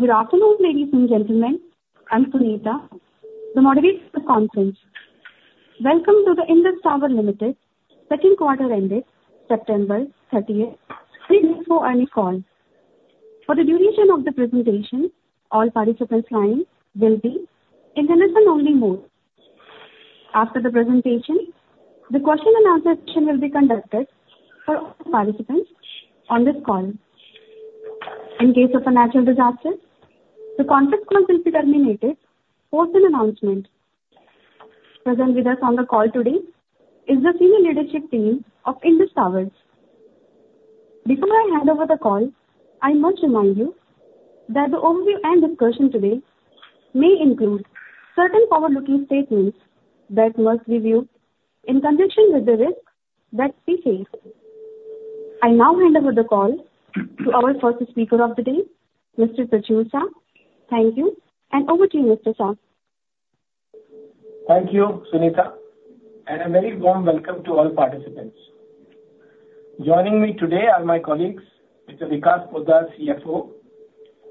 Good afternoon, ladies and gentlemen. I'm Sunita, the moderator of the conference. Welcome to the Indus Towers Limited second quarter ended September thirtieth, twenty twenty-four earnings call. For the duration of the presentation, all participants lines will be in listen-only mode. After the presentation, the question and answer session will be conducted for all participants on this call. In case of a natural disaster, the conference call will be terminated post an announcement. Present with us on the call today is the senior leadership team of Indus Towers. Before I hand over the call, I must remind you that the overview and discussion today may include certain forward-looking statements that must be viewed in conjunction with the risks that we face. I now hand over the call to our first speaker of the day, Mr. Prachur Sah. Thank you, and over to you, Mr. Sah. Thank you, Sunita, and a very warm welcome to all participants. Joining me today are my colleagues, Mr. Vikas Poddar, CFO,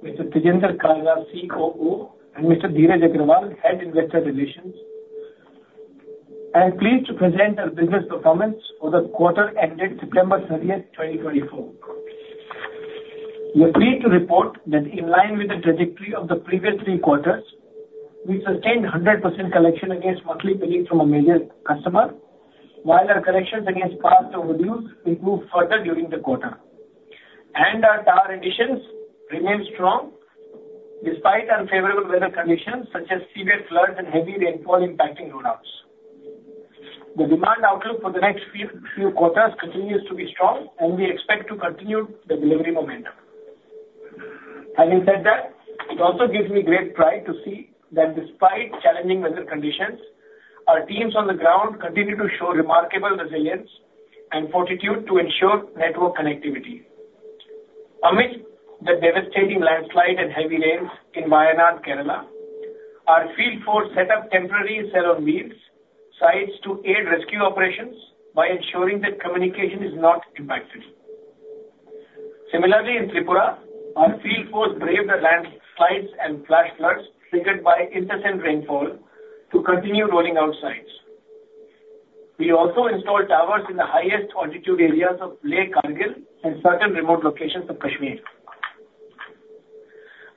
Mr. Tejinder Kalra, COO, and Mr. Dheeraj Agarwal, Head of Investor Relations. I am pleased to present our business performance for the quarter ended September thirtieth, twenty twenty-four. We are pleased to report that in line with the trajectory of the previous three quarters, we sustained 100% collection against monthly billing from a major customer, while our collections against past overdues improved further during the quarter. And our tower additions remain strong despite unfavorable weather conditions, such as severe floods and heavy rainfall impacting rollouts. The demand outlook for the next few quarters continues to be strong, and we expect to continue the delivery momentum. Having said that, it also gives me great pride to see that despite challenging weather conditions, our teams on the ground continue to show remarkable resilience and fortitude to ensure network connectivity. Amidst the devastating landslide and heavy rains in Wayanad, Kerala, our field force set up temporary cell on wheels sites to aid rescue operations by ensuring that communication is not impacted. Similarly, in Tripura, our field force braved the landslides and flash floods triggered by incessant rainfall to continue rolling out sites. We also installed towers in the highest altitude areas of Leh, Kargil, and certain remote locations of Kashmir.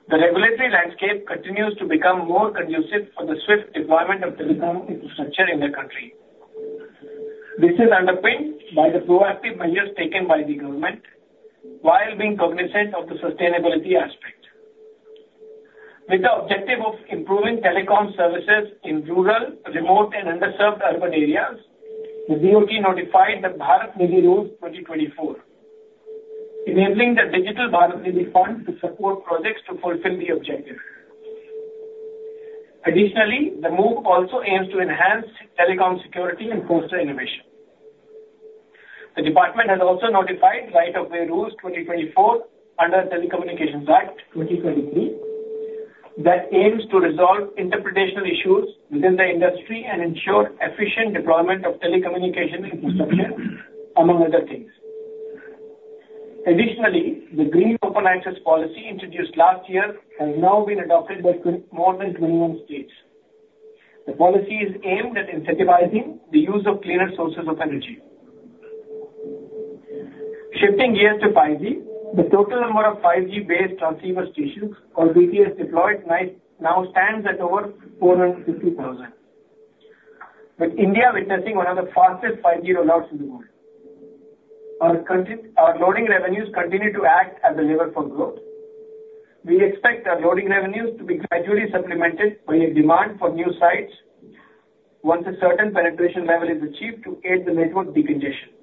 The regulatory landscape continues to become more conducive for the swift deployment of telecom infrastructure in the country. This is underpinned by the proactive measures taken by the government, while being cognizant of the sustainability aspect. With the objective of improving telecom services in rural, remote, and underserved urban areas, the DoT notified the Bharat Nidhi Rules 2024, enabling the Digital Bharat Nidhi Fund to support projects to fulfill the objective. Additionally, the move also aims to enhance telecom security and foster innovation. The department has also notified Right of Way Rules 2024 under Telecommunications Act 2023, which aims to resolve interpretational issues within the industry and ensure efficient deployment of telecommunication infrastructure, among other things. Additionally, the Green Open Access policy introduced last year has now been adopted by more than 21 states. The policy is aimed at incentivizing the use of cleaner sources of energy. Shifting gears to 5G, the total number of 5G-based transceiver stations, or BTS, deployed now stands at over four hundred and fifty thousand, with India witnessing one of the fastest 5G rollouts in the world. Our loading revenues continue to act as a lever for growth. We expect our loading revenues to be gradually supplemented by a demand for new sites once a certain penetration level is achieved to aid the network densification.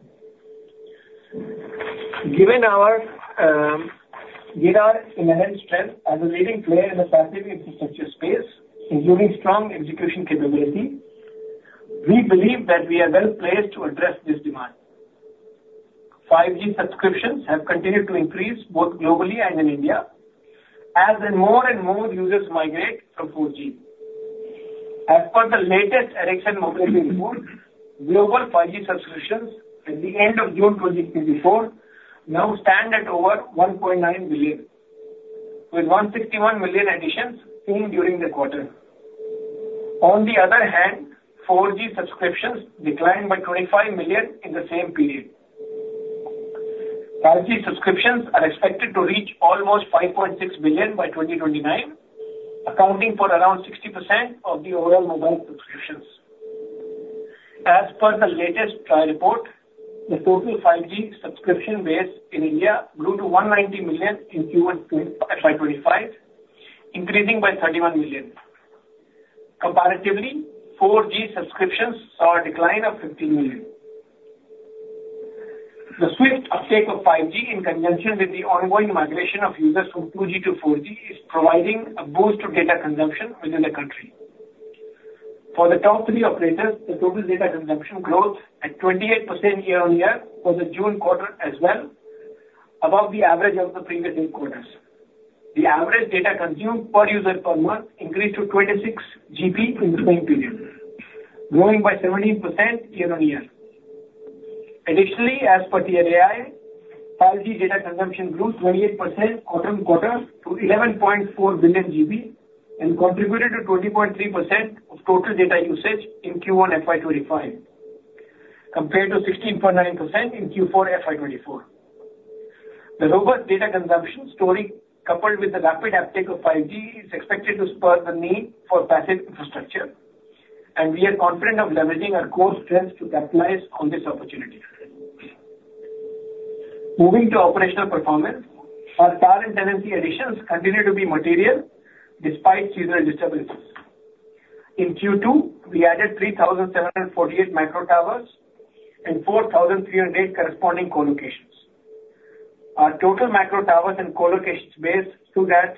Given our enhanced strength as a leading player in the passive infrastructure space, including strong execution capability, we believe that we are well-placed to address this demand. 5G subscriptions have continued to increase both globally and in India, as more and more users migrate from 4G. As per the latest Ericsson Mobility Report, global 5G subscriptions at the end of June 2024 now stand at over 1.9 billion, with 161 million additions seen during the quarter. On the other hand, 4G subscriptions declined by 25 million in the same period. 5G subscriptions are expected to reach almost 5.6 billion by 2029, accounting for around 60% of the overall mobile subscriptions. As per the latest TRAI report, the total 5G subscription base in India grew to 190 million in Q1 2025, increasing by 31 million. Comparatively, 4G subscriptions saw a decline of 15 million. The swift uptake of 5G in conjunction with the ongoing migration of users from 2G to 4G is providing a boost to data consumption within the country. For the top three operators, the total data consumption growth at 28% year-on-year for the June quarter as well, above the average of the previous eight quarters. The average data consumed per user per month increased to 26 GB in the same period, growing by 17% year-on-year. Additionally, as per the TRAI, 5G data consumption grew 28% quarter-on-quarter to 11.4 billion GB, and contributed to 20.3% of total data usage in Q1 FY 2025, compared to 16.9% in Q4 FY 2024. The robust data consumption story, coupled with the rapid uptake of 5G, is expected to spur the need for passive infrastructure, and we are confident of leveraging our core strengths to capitalize on this opportunity. Moving to operational performance, our tower and tenancy additions continue to be material despite seasonal disturbances. In Q2, we added three thousand seven hundred and forty-eight Macro towers and four thousand three hundred and eight corresponding co-locations. Our total Macro towers and co-locations base stood at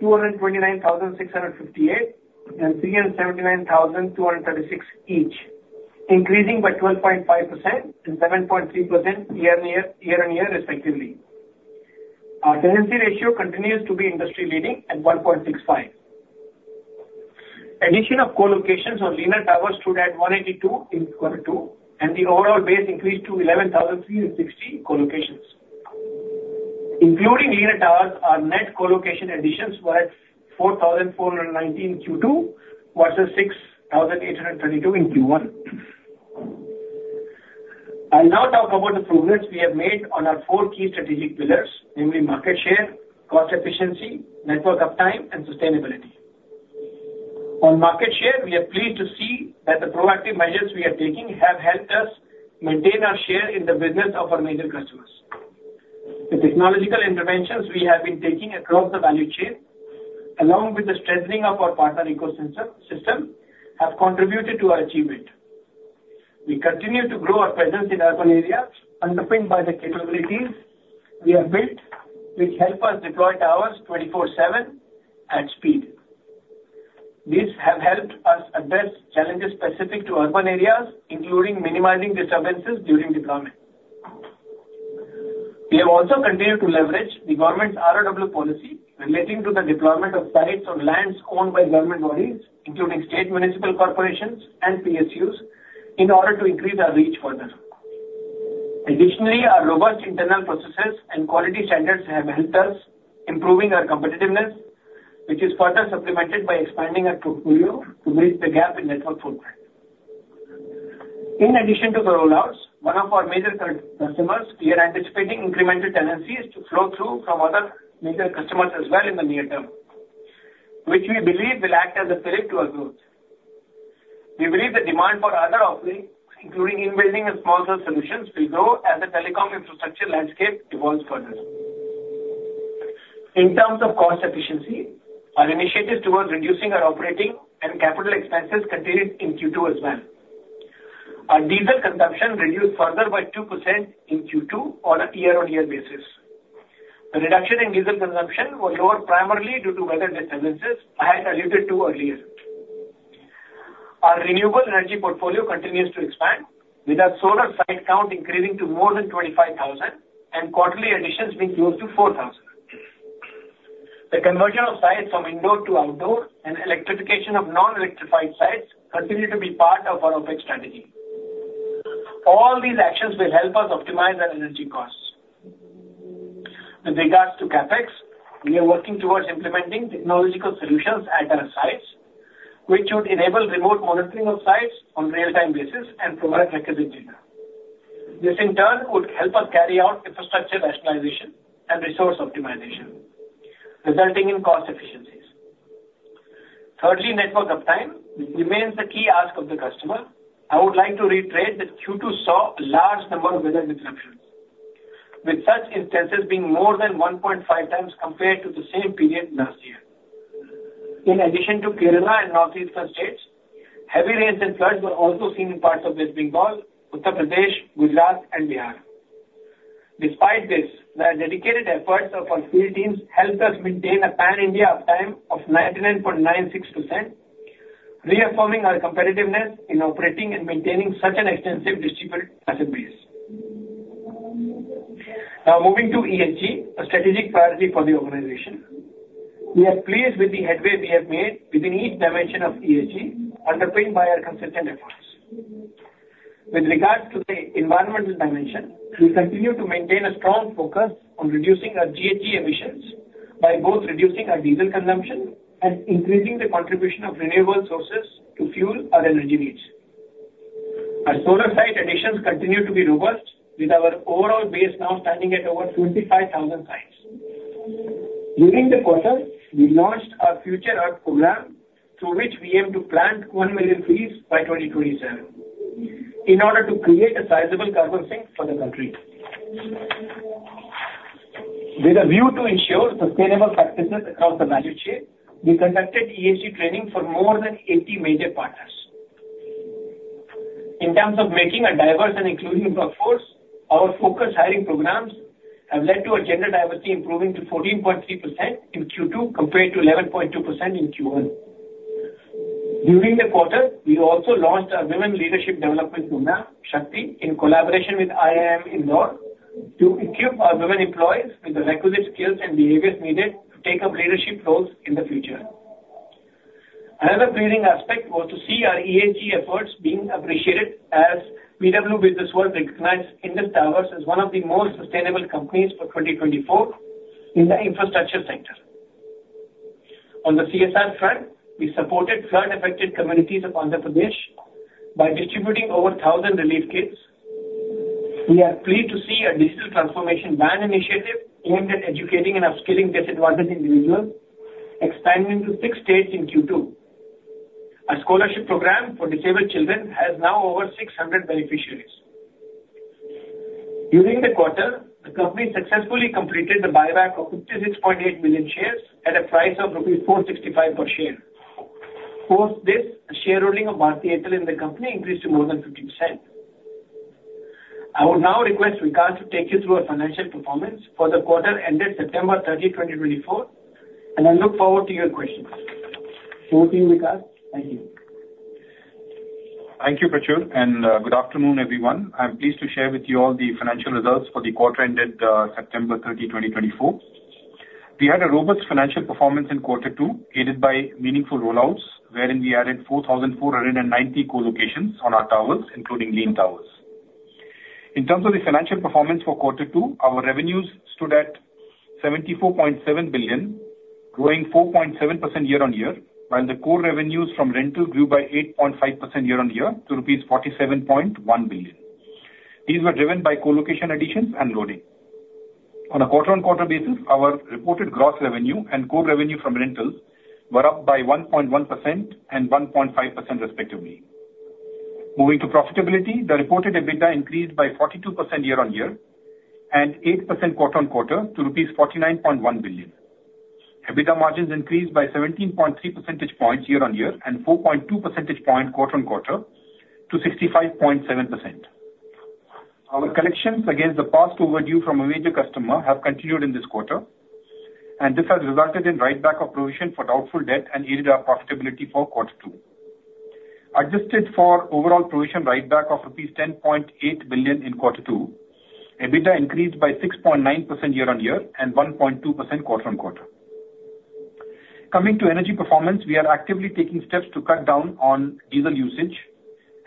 two hundred and twenty-nine thousand six hundred and fifty-eight and three hundred and seventy-nine thousand two hundred and thirty-six each, increasing by 12.5% and 7.3% year-on-year, year-on-year respectively. Our tenancy ratio continues to be industry-leading at one point six five. Addition of co-locations on linear towers stood at one eighty-two in quarter two, and the overall base increased to eleven thousand three hundred and sixty co-locations. Including linear towers, our net co-location additions were at four thousand four hundred and nineteen Q2, versus six thousand eight hundred and thirty-two in Q1. I'll now talk about the progress we have made on our four key strategic pillars, namely market share, cost efficiency, network uptime, and sustainability. On market share, we are pleased to see that the proactive measures we are taking have helped us maintain our share in the business of our major customers. The technological interventions we have been taking across the value chain, along with the strengthening of our partner ecosystem, have contributed to our achievement. We continue to grow our presence in urban areas, underpinned by the capabilities we have built, which help us deploy towers twenty-four seven at speed. These have helped us address challenges specific to urban areas, including minimizing disturbances during deployment. We have also continued to leverage the government's RoW policy relating to the deployment of sites on lands owned by government bodies, including state municipal corporations and PSUs, in order to increase our reach further. Additionally, our robust internal processes and quality standards have helped us, improving our competitiveness, which is further supplemented by expanding our portfolio to bridge the gap in network footprint. In addition to the rollouts, one of our major customers, we are anticipating incremental tenancies to flow through from other major customers as well in the near term, which we believe will act as a fillip to our growth. We believe the demand for other offerings, including in-building and small cell solutions, will grow as the telecom infrastructure landscape evolves further. In terms of cost efficiency, our initiatives towards reducing our operating and capital expenses continued in Q2 as well. Our diesel consumption reduced further by 2% in Q2 on a year-on-year basis. The reduction in diesel consumption was lower primarily due to weather disturbances I had alluded to earlier. Our renewable energy portfolio continues to expand, with our solar site count increasing to more than 25,000, and quarterly additions being close to 4,000. The conversion of sites from indoor to outdoor and electrification of non-electrified sites continue to be part of our OpEx strategy. All these actions will help us optimize our energy costs. With regards to CapEx, we are working towards implementing technological solutions at our sites, which would enable remote monitoring of sites on real-time basis and provide requisite data. This, in turn, would help us carry out infrastructure rationalization and resource optimization, resulting in cost efficiencies. Thirdly, network uptime remains the key ask of the customer. I would like to reiterate that Q2 saw a large number of weather disruptions, with such instances being more than 1.5 times compared to the same period last year. In addition to Kerala and northeastern states, heavy rains and floods were also seen in parts of West Bengal, Uttar Pradesh, Gujarat, and Bihar. Despite this, the dedicated efforts of our field teams helped us maintain a pan-India uptime of 99.96%, reaffirming our competitiveness in operating and maintaining such an extensive distributed asset base. Now moving to ESG, a strategic priority for the organization. We are pleased with the headway we have made within each dimension of ESG, underpinned by our consistent efforts. With regards to the environmental dimension, we continue to maintain a strong focus on reducing our GHG emissions by both reducing our diesel consumption and increasing the contribution of renewable sources to fuel our energy needs. Our solar site additions continue to be robust, with our overall base now standing at over 25,000 sites. During the quarter, we launched our Future Earth program, through which we aim to plant 1 million trees by 2027 in order to create a sizable carbon sink for the country. With a view to ensure sustainable practices across the value chain, we conducted ESG training for more than 80 major partners. In terms of making a diverse and inclusive workforce, our focused hiring programs have led to our gender diversity improving to 14.3% in Q2, compared to 11.2% in Q1. During the quarter, we also launched our Women Leadership Development Program, Shakti, in collaboration with IIM Indore, to equip our women employees with the requisite skills and behaviors needed to take up leadership roles in the future. Another pleasing aspect was to see our ESG efforts being appreciated, as BW Businessworld recognized Indus Towers as one of the most sustainable companies for 2024 in the infrastructure sector. On the CSR front, we supported flood-affected communities of Andhra Pradesh by distributing over 1,000 relief kits. We are pleased to see our Digital Transformation Van initiative aimed at educating and upskilling disadvantaged individuals, expanding to six states in Q2. A scholarship program for disabled children has now over 600 beneficiaries. During the quarter, the company successfully completed the buyback of 56.8 million shares at a price of rupees 465 per share. Post this, the shareholding of Bharti Airtel in the company increased to more than 50%. I would now request Vikas to take you through our financial performance for the quarter ended September 30, 2024, and I look forward to your questions. Over to you, Vikas. Thank you. Thank you, Prachur, and good afternoon, everyone. I'm pleased to share with you all the financial results for the quarter ended September 30, 2024. We had a robust financial performance in quarter two, aided by meaningful rollouts, wherein we added 4,490 co-locations on our towers, including linear towers. In terms of the financial performance for quarter two, our revenues stood at 74.7 billion, growing 4.7% year-on-year, while the core revenues from rental grew by 8.5% year-on-year to rupees 47.1 billion. These were driven by co-location additions and loading. On a quarter-on-quarter basis, our reported gross revenue and core revenue from rentals were up by 1.1% and 1.5% respectively. Moving to profitability, the reported EBITDA increased by 42% year-on-year and 8% quarter-on-quarter to rupees 49.1 billion. EBITDA margins increased by 17.3 percentage points year-on-year and 4.2 percentage points quarter-on-quarter to 65.7%. Our collections against the past overdue from a major customer have continued in this quarter, and this has resulted in writeback of provision for doubtful debt and aided our profitability for quarter two. Adjusted for overall provision writeback of rupees 10.8 billion in quarter two, EBITDA increased by 6.9% year-on-year and 1.2% quarter-on-quarter. Coming to energy performance, we are actively taking steps to cut down on diesel usage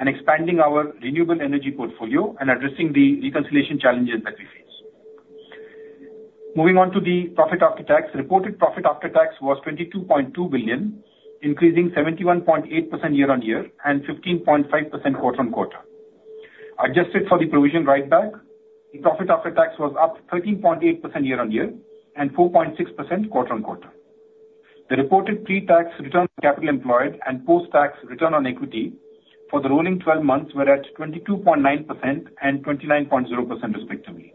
and expanding our renewable energy portfolio and addressing the reconciliation challenges that we face. Moving on to the profit after tax. Reported profit after tax was 22.2 billion, increasing 71.8% year-on-year and 15.5% quarter-on-quarter. Adjusted for the provision writeback, the profit after tax was up 13.8% year-on-year and 4.6% quarter-on-quarter. The reported pre-tax return on capital employed and post-tax return on equity for the rolling twelve months were at 22.9% and 29.0% respectively.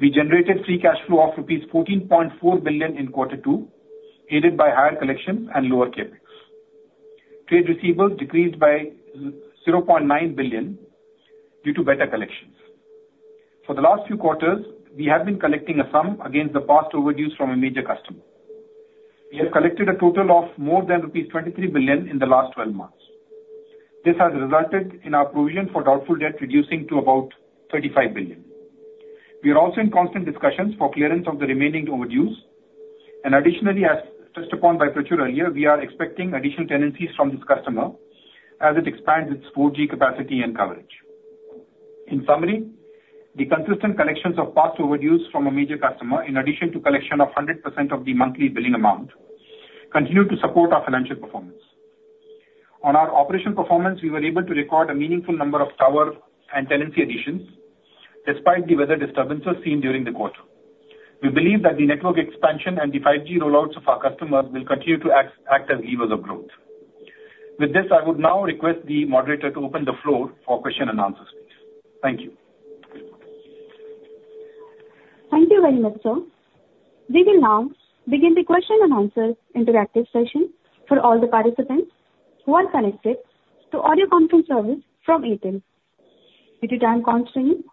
We generated free cash flow of INR 14.4 billion in quarter two, aided by higher collections and lower CapEx. Trade receivables decreased by -0.9 billion due to better collections. For the last few quarters, we have been collecting a sum against the past overdues from a major customer. We have collected a total of more than rupees 23 billion in the last twelve months. This has resulted in our provision for doubtful debt reducing to about 35 billion. We are also in constant discussions for clearance of the remaining overdues, and additionally, as touched upon by Prachur earlier, we are expecting additional tenancies from this customer as it expands its 4G capacity and coverage. In summary, the consistent collections of past overdues from a major customer, in addition to collection of 100% of the monthly billing amount, continue to support our financial performance. On our operational performance, we were able to record a meaningful number of tower and tenancy additions, despite the weather disturbances seen during the quarter. We believe that the network expansion and the 5G rollouts of our customers will continue to act as levers of growth. With this, I would now request the moderator to open the floor for question and answer please. Thank you. Thank you very much, sir. We will now begin the question and answer interactive session for all the participants who are connected to audio conference service from Airtel. Due to time constraints,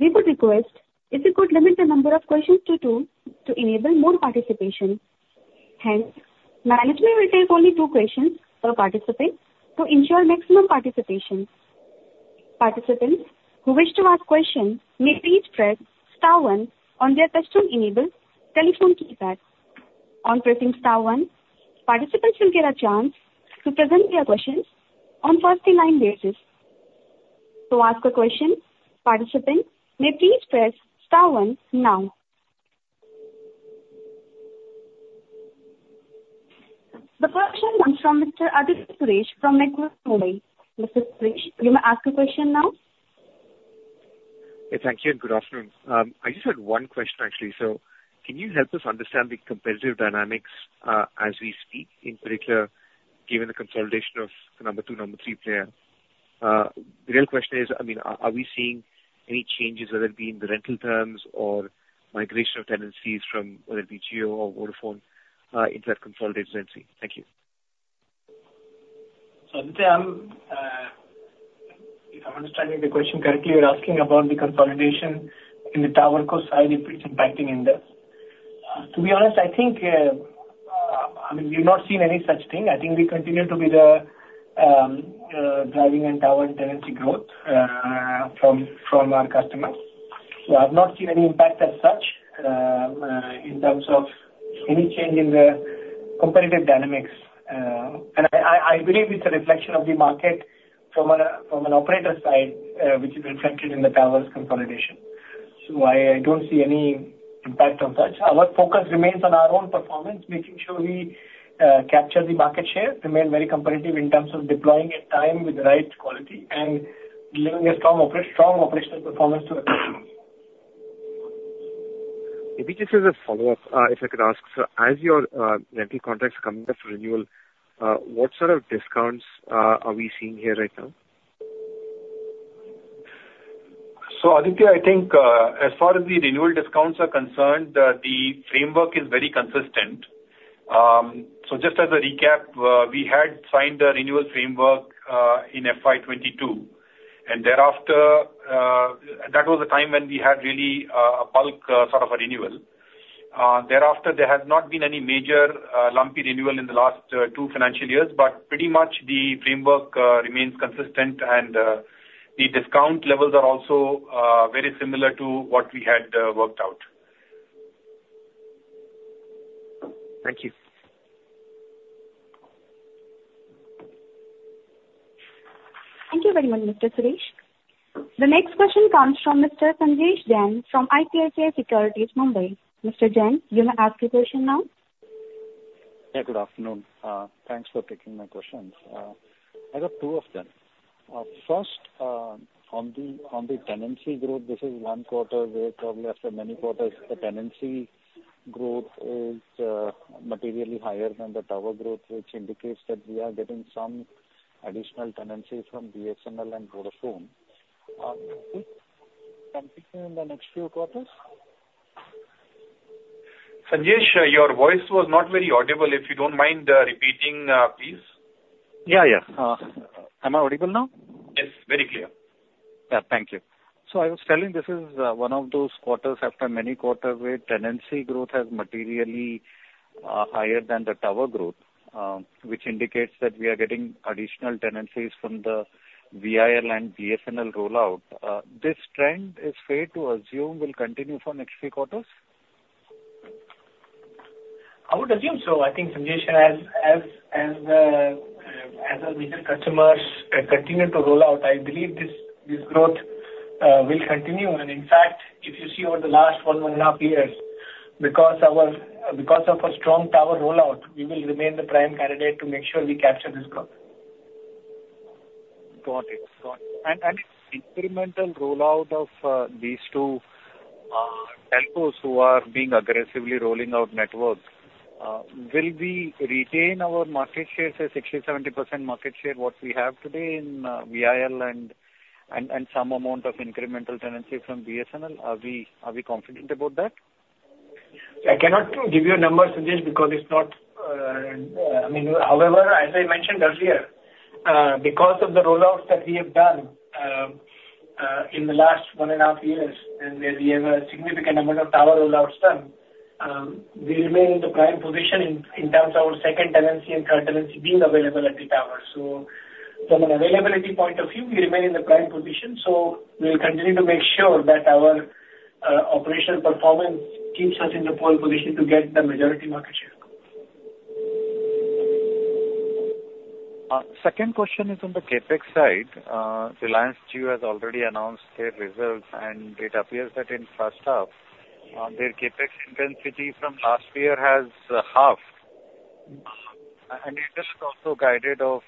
we would request if you could limit the number of questions to two to enable more participation. Hence, management will take only two questions per participant to ensure maximum participation. Participants who wish to ask questions may please press star one on their touch-tone enabled telephone keypad. On pressing star one, participants will get a chance to present their questions on first-in-line basis. To ask a question, participants may please press star one now. The first question comes from Mr. Aditya Suresh from SMBC Nikko. Mr. Suresh, you may ask your question now. Hey, thank you, and good afternoon. I just had one question, actually. So can you help us understand the competitive dynamics, as we speak, in particular, given the consolidation of the number two, number three player? The real question is, I mean, are we seeing any changes, whether it be in the rental terms or migration of tenancies from whether it be Jio or Vodafone, into that consolidated tenancy? Thank you. Aditya, if I'm understanding the question correctly, you're asking about the consolidation in the towerco side, if it's impacting Indus. To be honest, I think, I mean, we've not seen any such thing. I think we continue to be the driving in tower tenancy growth from our customers. I've not seen any impact as such in terms of any change in the competitive dynamics. I believe it's a reflection of the market from an operator side, which is reflected in the towers consolidation. I don't see any impact on such. Our focus remains on our own performance, making sure we capture the market share, remain very competitive in terms of deploying in time with the right quality, and delivering a strong operational performance to our customers. Maybe just as a follow-up, if I could ask, sir, as your network contracts are coming up for renewal, what sort of discounts are we seeing here right now? So, Aditya, I think, as far as the renewal discounts are concerned, the framework is very consistent. So just as a recap, we had signed the renewal framework in FY 2022, and thereafter, that was the time when we had really a bulk sort of a renewal. Thereafter, there has not been any major lumpy renewal in the last two financial years, but pretty much the framework remains consistent, and the discount levels are also very similar to what we had worked out. Thank you. Thank you very much, Mr. Suresh. The next question comes from Mr. Sanjesh Jain from ICICI Securities, Mumbai. Mr. Jain, you may ask your question now. Yeah, good afternoon. Thanks for taking my questions. I got two of them. First, on the, on the tenancy growth, this is one quarter where probably after many quarters, the tenancy growth is materially higher than the tower growth, which indicates that we are getting some additional tenancy from BSNL and Vodafone. Do you think it can continue in the next few quarters? Sanjesh, your voice was not very audible. If you don't mind, repeating, please. Yeah, yeah. Am I audible now? Yes, very clear. Yeah. Thank you. So I was telling this is one of those quarters after many quarters where tenancy growth has materially higher than the tower growth, which indicates that we are getting additional tenancies from the VIL and BSNL rollout. This trend is fair to assume will continue for next few quarters? I would assume so. I think, Sanjesh, as our major customers continue to roll out, I believe this growth will continue. And in fact, if you see over the last one and a half years, because of a strong tower rollout, we will remain the prime candidate to make sure we capture this growth. Got it. Got it. And incremental rollout of these two telcos who are being aggressively rolling out networks, will we retain our market share, say, 60-70% market share, what we have today in VIL and some amount of incremental tenancy from BSNL? Are we confident about that? I cannot give you a number, Sanjesh, because it's not. However, as I mentioned earlier, because of the rollouts that we have done, in the last one and a half years, and we have a significant amount of tower rollouts done, we remain in the prime position in terms of our second tenancy and current tenancy being available at the tower. So from an availability point of view, we remain in the prime position, so we will continue to make sure that our operational performance keeps us in the pole position to get the majority market share. Second question is on the CapEx side. Reliance Jio has already announced their results, and it appears that in first half, their CapEx intensity from last year has halved. And they just also guided of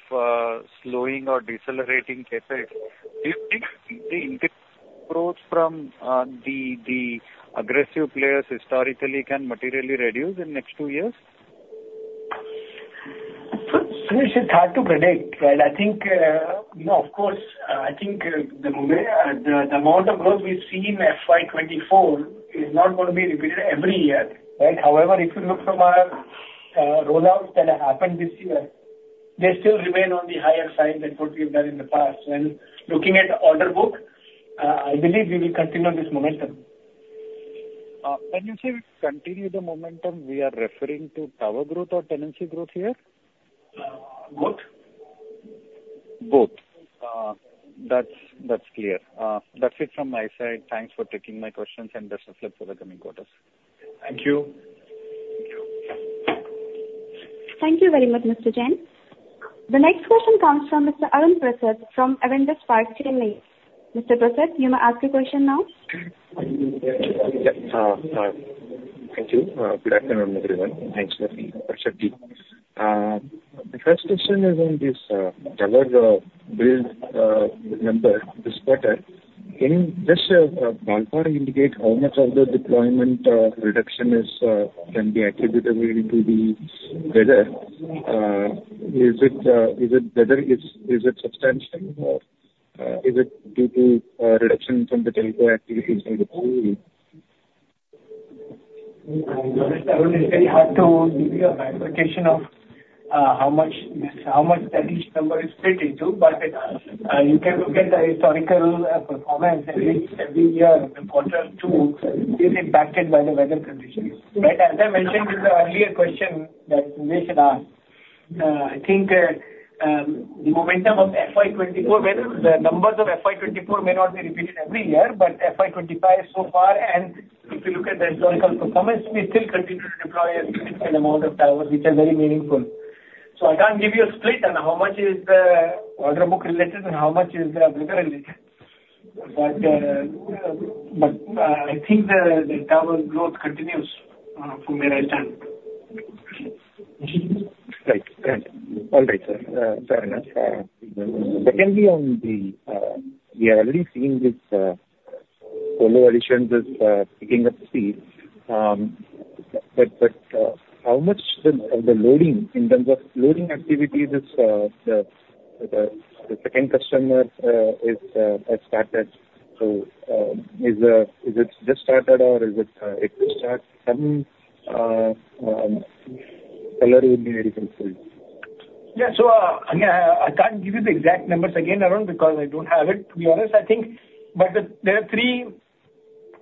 slowing or decelerating CapEx. Do you think the increased growth from the aggressive players historically can materially reduce in next two years? It's hard to predict, right? I think, you know, of course, I think, the amount of growth we've seen in FY 2024 is not gonna be repeated every year, right? However, if you look from our rollouts that happened this year, they still remain on the higher side than what we've done in the past. When looking at order book, I believe we will continue this momentum. When you say we continue the momentum, we are referring to tower growth or tenancy growth here? Uh, both. Both. That's, that's clear. That's it from my side. Thanks for taking my questions, and best of luck for the coming quarters. Thank you. Thank you. Thank you very much, Mr. Jain. The next question comes from Mr. Arun Prasath from Avendus Spark. Mr. Prasad, you may ask your question now. Yeah. Thank you. Good afternoon, everyone. Thanks for the opportunity. The first question is on this tower build number this quarter. Can you just ballpark indicate how much of the deployment reduction is can be attributable to the weather? Is it weather? Is it substantial, or is it due to reduction from the telco activities in the...? It's very hard to give you a bifurcation of, how much this, how much that each number is split into. But, you can look at the historical, performance in which every year, the quarter two is impacted by the weather conditions. But as I mentioned in the earlier question that Sanjesh asked. I think, the momentum of FY 2024, whether the numbers of FY 2024 may not be repeated every year, but FY 2025 so far, and if you look at the historical performance, we still continue to deploy a significant amount of towers, which are very meaningful. So I can't give you a split on how much is the order book related and how much is the other related. But, I think the tower growth continues, from what I understand. Right. All right, sir. Fair enough. Secondly, on the, we are already seeing this, colocation additions is picking up speed. But, how much of the loading, in terms of loading activities is the second customer has started. So, is it just started or it will start some color would be helpful? Yeah. So, again, I can't give you the exact numbers again, Arun, because I don't have it, to be honest, I think. But there are three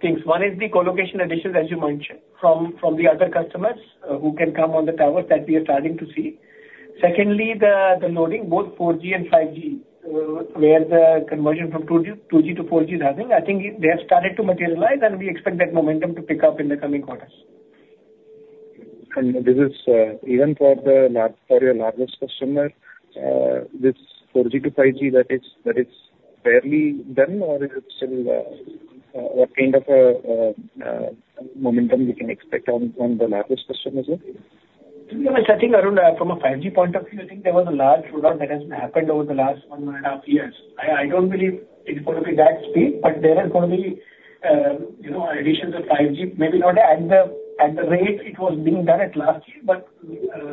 things. One is the co-location additions, as you mentioned, from the other customers who can come on the tower that we are starting to see. Secondly, the loading, both 4G and 5G, where the conversion from 2G to 4G is happening. I think they have started to materialize, and we expect that momentum to pick up in the coming quarters. This is even for the large, for your largest customer, this 4G to 5G, that is barely done or is it still, what kind of momentum we can expect on the largest customer as well? Yes, I think, Arun, from a 5G point of view, I think there was a large rollout that has happened over the last one and a half years. I don't believe it's going to be that speed, but there is going to be, you know, additions of 5G, maybe not at the rate it was being done at last year, but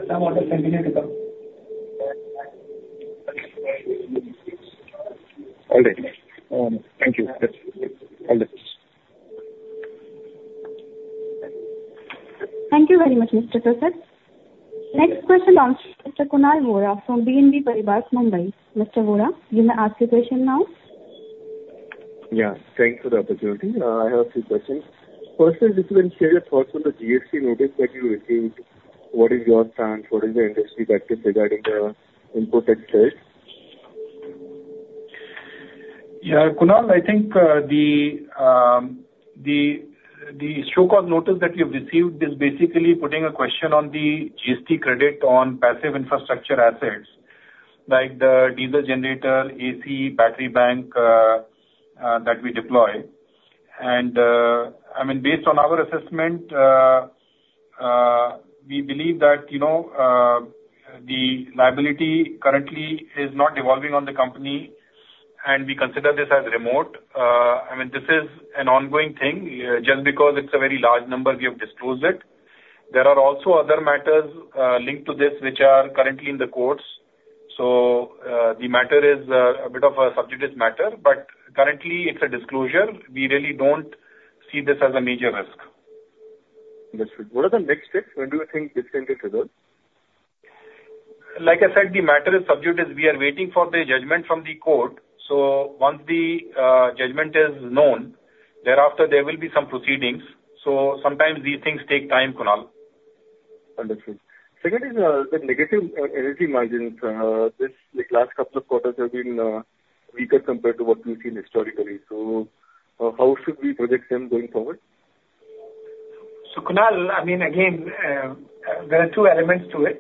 some orders are going to come. All right. Thank you. Yes. All right. Thank you very much, Mr. Prasath. Next question on Mr. Kunal Vora from BNP Paribas, Mumbai. Mr. Vora, you may ask your question now. Yeah, thanks for the opportunity. I have two questions. First is, if you can share your thoughts on the GST notice that you received? What is your stand? What is the industry practice regarding the input tax credit? Yeah, Kunal, I think the show cause notice that we have received is basically putting a question on the GST credit on passive infrastructure assets, like the diesel generator, AC, battery bank, that we deploy. And I mean, based on our assessment, we believe that, you know, the liability currently is not evolving on the company, and we consider this as remote. I mean, this is an ongoing thing. Just because it's a very large number, we have disclosed it. There are also other matters linked to this, which are currently in the courts. So the matter is a bit of a sub judice matter, but currently it's a disclosure. We really don't see this as a major risk. Understood. What are the next steps? When do you think this can get resolved? Like I said, the matter is sub judice. We are waiting for the judgment from the court. So once the judgment is known, thereafter there will be some proceedings. So sometimes these things take time, Kunal. Understood. Second is, the negative, energy margins. This, the last couple of quarters have been, weaker compared to what we've seen historically. So, how should we project them going forward? So, Kunal, I mean, again, there are two elements to it.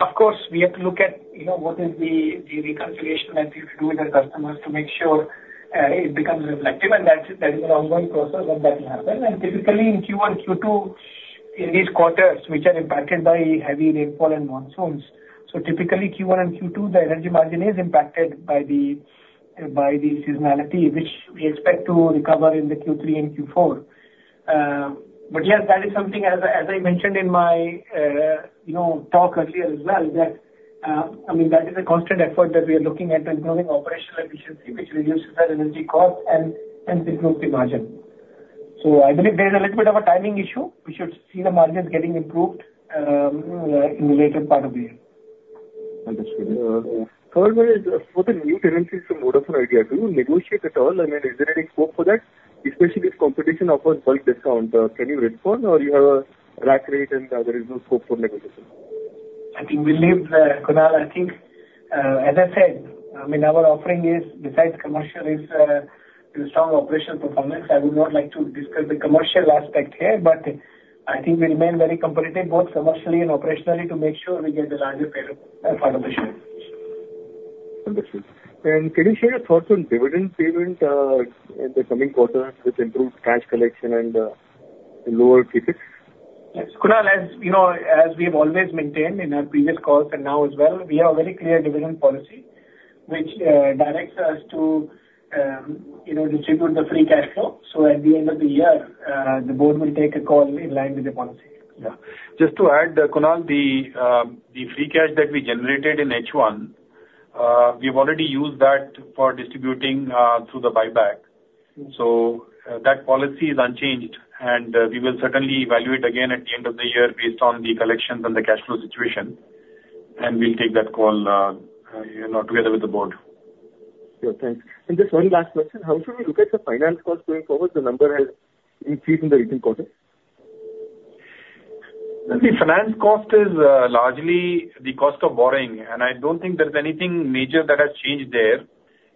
Of course, we have to look at, you know, what is the reconciliation that we have to do with the customers to make sure it becomes reflective, and that is an ongoing process, and that will happen. And typically, in Q1, Q2, in these quarters, which are impacted by heavy rainfall and monsoons, so typically, Q1 and Q2, the energy margin is impacted by the seasonality, which we expect to recover in the Q3 and Q4. But yes, that is something as I mentioned in my, you know, talk earlier as well, that, I mean, that is a constant effort that we are looking at improving operational efficiency, which reduces our energy cost and improves the margin. So I believe there is a little bit of a timing issue. We should see the margins getting improved, in the later part of the year. Understood. Third one is, for the new tenancies from Vodafone Idea, do you negotiate at all? I mean, is there any scope for that, especially if competition offers bulk discount, can you respond or you have a rack rate and there is no scope for negotiation? I think we leave, Kunal, I think, as I said, I mean, our offering is, besides commercial, is, the strong operational performance. I would not like to discuss the commercial aspect here, but I think we remain very competitive, both commercially and operationally, to make sure we get the larger share, for the business. Understood. And can you share your thoughts on dividend payment in the coming quarters with improved cash collection and lower CapEx? Yes, Kunal, as you know, as we have always maintained in our previous calls and now as well, we have a very clear dividend policy, which directs us to, you know, distribute the free cash flow. So at the end of the year, the board will take a call in line with the policy. Yeah. Just to add, Kunal, the free cash that we generated in H1 we've already used that for distributing through the buyback. So, that policy is unchanged, and we will certainly evaluate again at the end of the year based on the collections and the cash flow situation, and we'll take that call, you know, together with the board.... Sure, thanks. And just one last question: How should we look at the finance cost going forward? The number has increased in the recent quarter. The finance cost is largely the cost of borrowing, and I don't think there's anything major that has changed there.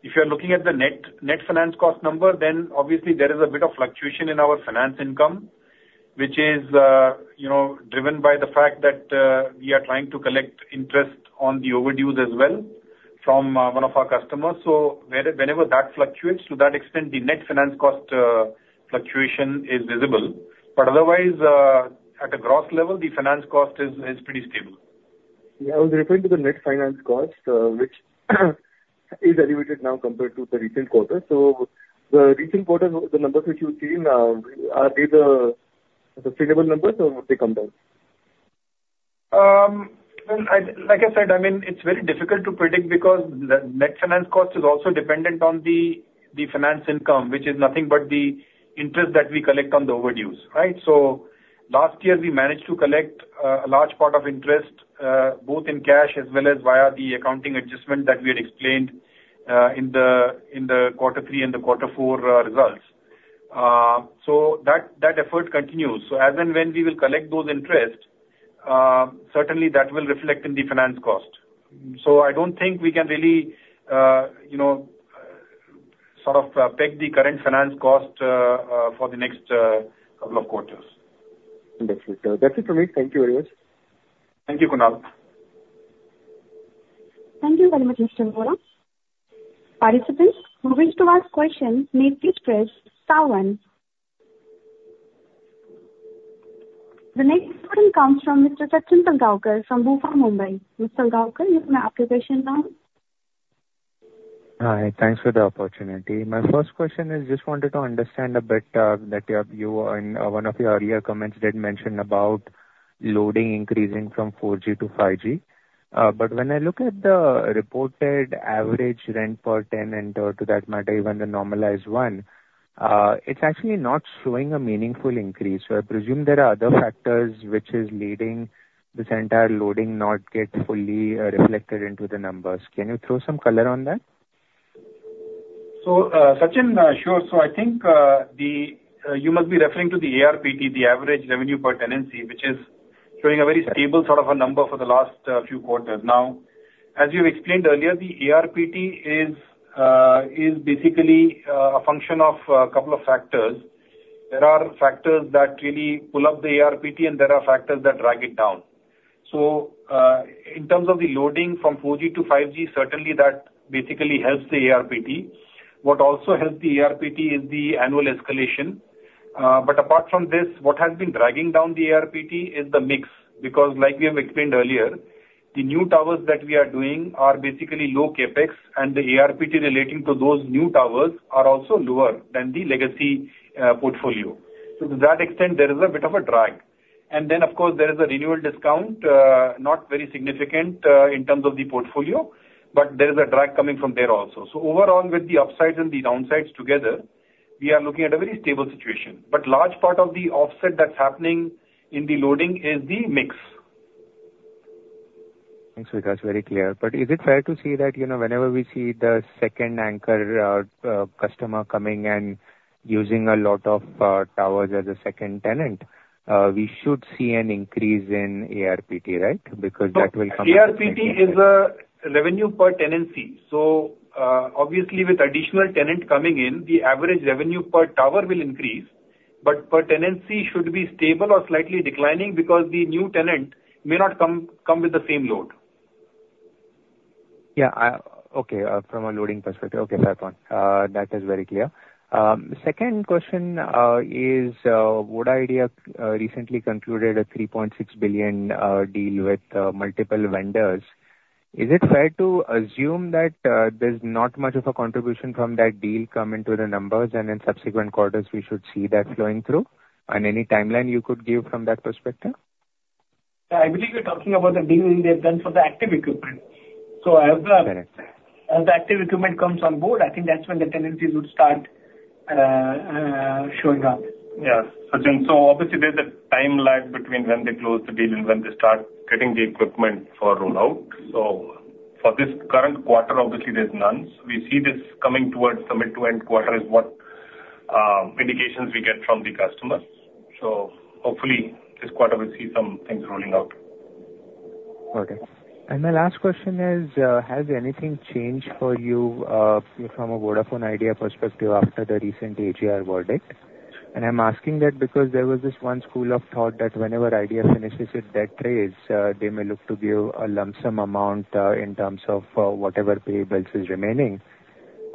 If you're looking at the net, net finance cost number, then obviously there is a bit of fluctuation in our finance income, which is, you know, driven by the fact that we are trying to collect interest on the overdues as well from one of our customers. So whenever that fluctuates, to that extent, the net finance cost fluctuation is visible. But otherwise, at a gross level, the finance cost is pretty stable. Yeah, I was referring to the net finance cost, which is elevated now compared to the recent quarter. So the recent quarter, the numbers which you've seen, are they the sustainable numbers, or would they come down? Well, like I said, I mean, it's very difficult to predict because the net finance cost is also dependent on the finance income, which is nothing but the interest that we collect on the overdues, right? So last year, we managed to collect a large part of interest both in cash as well as via the accounting adjustment that we had explained in the quarter three and the quarter four results. So that effort continues. So as and when we will collect those interest, certainly that will reflect in the finance cost. So I don't think we can really you know, sort of, peg the current finance cost for the next couple of quarters. That's it. That's it for me. Thank you very much. Thank you, Kunal. Thank you very much, Mr. Vora. Participants, who wish to ask questions, may please press star one. The next call comes from Mr. Sachin Salgaonkar from BofA Mumbai. Mr. Salgaonkar, you may ask your question now. Hi, thanks for the opportunity. My first question is just wanted to understand a bit, that, you, in one of your earlier comments did mention about loading increasing from 4G to 5G. But when I look at the reported average rent per tenant, or to that matter, even the normalized one, it's actually not showing a meaningful increase. So I presume there are other factors which is leading this entire loading not get fully reflected into the numbers. Can you throw some color on that? So, Sachin, sure. So I think you must be referring to the ARPT, the average revenue per tenancy, which is showing a very stable sort of a number for the last few quarters. Now, as you explained earlier, the ARPT is basically a function of a couple of factors. There are factors that really pull up the ARPT, and there are factors that drag it down. So, in terms of the loading from 4G to 5G, certainly that basically helps the ARPT. What also helps the ARPT is the annual escalation. But apart from this, what has been dragging down the ARPT is the mix, because like we have explained earlier, the new towers that we are doing are basically low CapEx, and the ARPT relating to those new towers are also lower than the legacy portfolio. So to that extent, there is a bit of a drag. And then, of course, there is a renewal discount, not very significant, in terms of the portfolio, but there is a drag coming from there also. So overall, with the upsides and the downsides together, we are looking at a very stable situation. But large part of the offset that's happening in the loading is the mix. Thanks, Vikas. Very clear. But is it fair to say that, you know, whenever we see the second anchor customer coming and using a lot of towers as a second tenant, we should see an increase in ARPT, right? Because that will come- ARPT is a revenue per tenancy. So, obviously, with additional tenant coming in, the average revenue per tower will increase, but per tenancy should be stable or slightly declining because the new tenant may not come with the same load. Yeah, okay, from a loading perspective. Okay, fair point. That is very clear. Second question, is Voda Idea recently concluded a 3.6 billion deal with multiple vendors. Is it fair to assume that there's not much of a contribution from that deal coming to the numbers, and in subsequent quarters, we should see that flowing through? And any timeline you could give from that perspective? I believe you're talking about the deal we have done for the active equipment. So as the- Correct. As the active equipment comes on board, I think that's when the tenancy would start showing up. Yeah. Sachin, so obviously, there's a time lag between when they close the deal and when they start getting the equipment for rollout. So for this current quarter, obviously, there's none. We see this coming towards the mid to end quarter, is what indications we get from the customer. So hopefully, this quarter will see some things rolling out. Okay. And my last question is, has anything changed for you, from a Vodafone Idea perspective after the recent AGR verdict? And I'm asking that because there was this one school of thought that whenever Idea finishes its debt raise, they may look to give a lump sum amount, in terms of, whatever payables is remaining.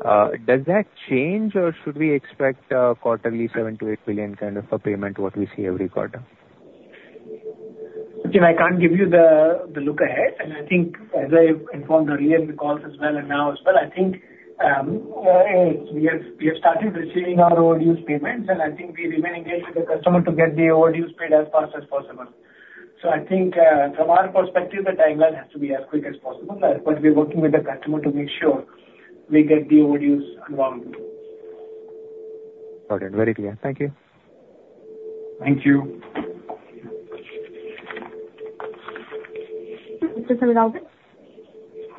Does that change, or should we expect a quarterly 7-8 billion kind of a payment, what we see every quarter? Sachin, I can't give you the look ahead, and I think as I informed earlier in the calls as well, and now as well, I think we have started receiving our overdues payments, and I think we remain engaged with the customer to get the overdues paid as fast as possible. So I think from our perspective, the timeline has to be as quick as possible, but we're working with the customer to make sure we get the overdues unwound. Okay. Very clear. Thank you. Thank you.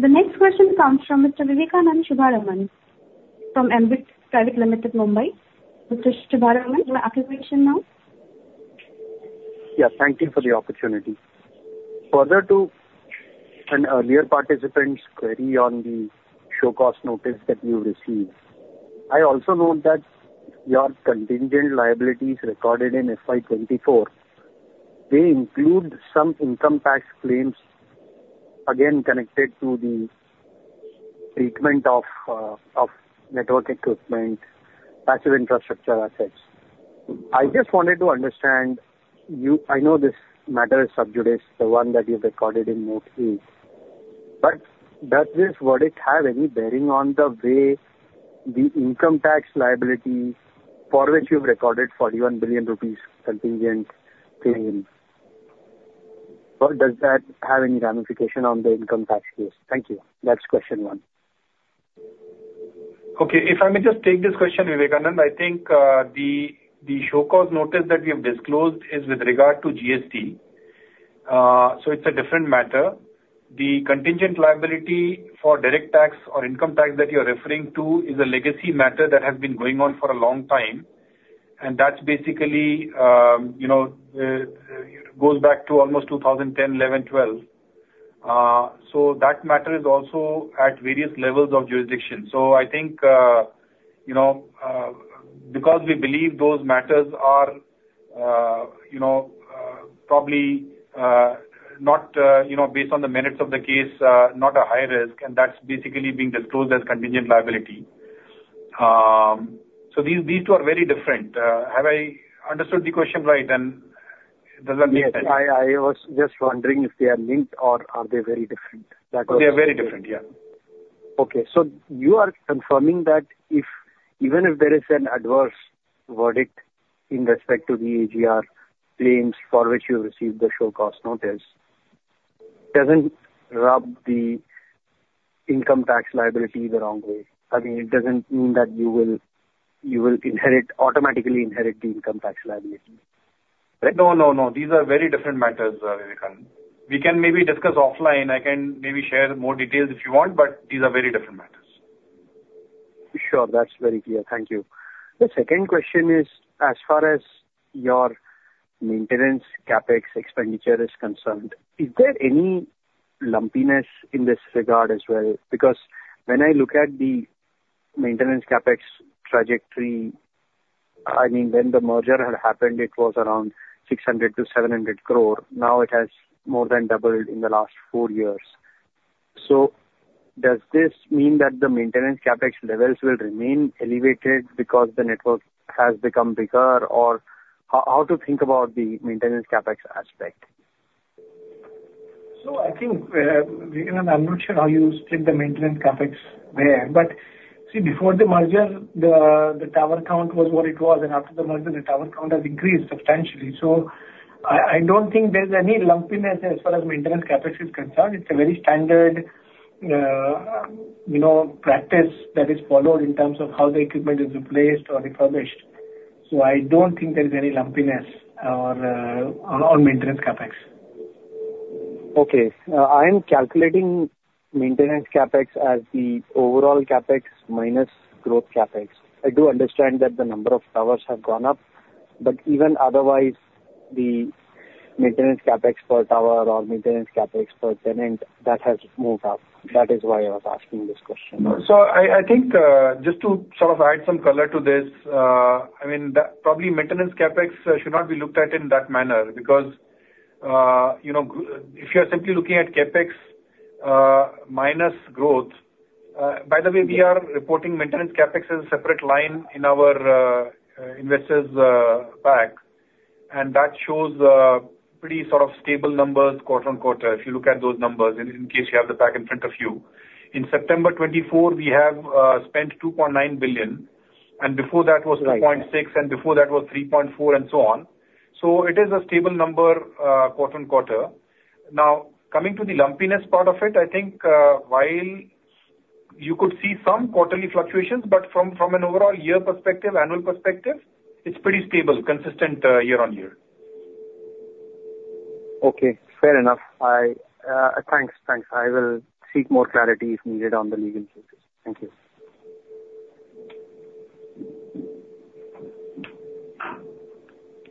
The next question comes from Mr. Vivekanand Subbaraman, from Ambit Private Limited, Mumbai. Mr. Subbaraman, your application now? Yeah, thank you for the opportunity. Further to an earlier participant's query on the show cause notice that you received, I also note that your contingent liabilities recorded in FY 2024, they include some income tax claims, again, connected to the treatment of of network equipment, passive infrastructure assets. I just wanted to understand, I know this matter is sub judice, the one that you've recorded in Note 3, but does this verdict have any bearing on the way the income tax liability for which you've recorded 41 billion rupees contingent claim? Or does that have any ramification on the income tax case? Thank you. That's question one. Okay, if I may just take this question, Vivekanand. I think, the show cause notice that we have disclosed is with regard to GST. So it's a different matter. The contingent liability for direct tax or income tax that you're referring to is a legacy matter that has been going on for a long time, and that's basically, you know, goes back to almost two thousand and ten, eleven, twelve. So that matter is also at various levels of jurisdiction. So I think, you know, because we believe those matters are, you know, probably, not, you know, based on the merits of the case, not a high risk, and that's basically being disclosed as contingent liability. So these, these two are very different. Have I understood the question right, and does that mean that- Yes, I was just wondering if they are linked or are they very different? They are very different, yeah. Okay. So you are confirming that if, even if there is an adverse verdict in respect to the AGR claims for which you received the show cause notice, doesn't rub the income tax liability the wrong way? I mean, it doesn't mean that you will automatically inherit the income tax liability, right? No, no, no. These are very different matters, Vivekanand. We can maybe discuss offline. I can maybe share more details if you want, but these are very different matters. Sure. That's very clear. Thank you. The second question is, as far as your maintenance CapEx expenditure is concerned, is there any lumpiness in this regard as well? Because when I look at the maintenance CapEx trajectory, I mean, when the merger had happened, it was around 600-700 crore. Now it has more than doubled in the last four years. So does this mean that the maintenance CapEx levels will remain elevated because the network has become bigger? Or how to think about the maintenance CapEx aspect? So I think, Vivekanand, I'm not sure how you split the maintenance CapEx there. But see, before the merger, the tower count was what it was, and after the merger, the tower count has increased substantially. So I don't think there's any lumpiness as far as maintenance CapEx is concerned. It's a very standard, you know, practice that is followed in terms of how the equipment is replaced or refurbished. So I don't think there is any lumpiness or on maintenance CapEx. Okay. I'm calculating maintenance CapEx as the overall CapEx minus growth CapEx. I do understand that the number of towers have gone up, but even otherwise, the maintenance CapEx per tower or maintenance CapEx per tenant, that has moved up. That is why I was asking this question. So I, I think, just to sort of add some color to this, I mean, that... Probably maintenance CapEx should not be looked at in that manner, because, you know, if you are simply looking at CapEx, minus growth, by the way, we are reporting maintenance CapEx as a separate line in our investors pack, and that shows pretty sort of stable numbers quarter on quarter, if you look at those numbers, in case you have the pack in front of you. In September 2024, we have spent 2.9 billion, and before that was 2.6 billion, and before that was 3.4 billion, and so on. So it is a stable number, quarter on quarter. Now, coming to the lumpiness part of it, I think, while you could see some quarterly fluctuations, but from an overall year perspective, annual perspective, it's pretty stable, consistent, year on year. Okay, fair enough. Thanks, thanks. I will seek more clarity if needed on the legal cases. Thank you.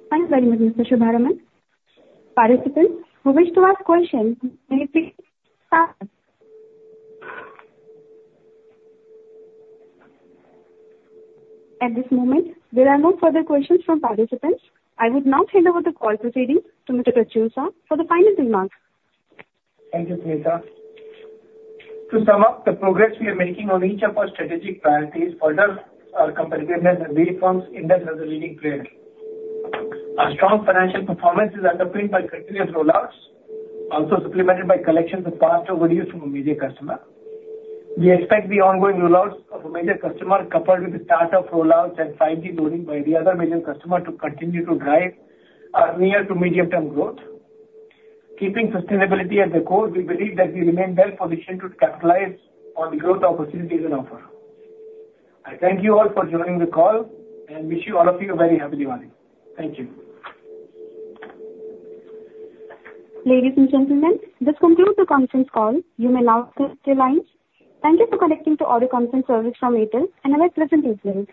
Thanks very much, Mr. Subbaraman. Participants who wish to ask questions may please start. At this moment, there are no further questions from participants. I would now hand over the call proceedings to Mr. Prachur Sah for the final remarks. Thank you, Sunita. To sum up, the progress we are making on each of our strategic priorities furthers our competitiveness and reaffirms India as a leading player. Our strong financial performance is underpinned by continuous rollouts, also supplemented by collections of past overdues from a major customer. We expect the ongoing rollouts of a major customer, coupled with the start of rollouts and 5G building by the other major customer, to continue to drive our near to medium-term growth. Keeping sustainability at the core, we believe that we remain well positioned to capitalize on the growth opportunities on offer. I thank you all for joining the call and wish you all of you a very happy Diwali. Thank you. Ladies and gentlemen, this concludes the conference call. You may now disconnect your lines. Thank you for connecting to audio conference service from Airtel, and have a pleasant day ahead.